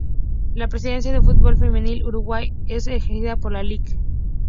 La Presidencia del Fútbol femenil uruguayo es ejercida por la Lic.